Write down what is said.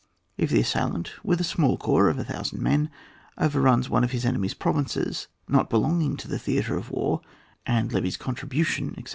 If the assailant with a small corps of 1000 men overruns one of his enemy's provinces, not belonging to the theatre of war, and levies contribution, etc.